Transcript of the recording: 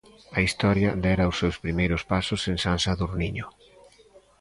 A historia dera os seus primeiros pasos en San Sadurniño.